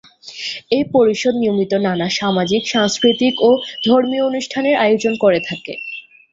এই পরিষদ নিয়মিত নানা সামাজিক, সাংস্কৃতিক ও ধর্মীয় অনুষ্ঠানের আয়োজন করে থাকে।